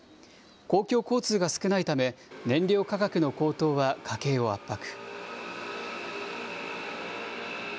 公共交通が少ないため、燃料価格の高騰は家計を圧迫。